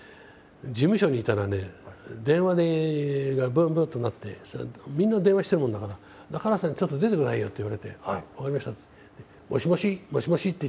事務所にいたら電話がブーブーと鳴ってみんな電話してるもんだから中原さんちょっと出て下さいよと言われてはい分かりましたって。